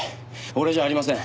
俺じゃありません。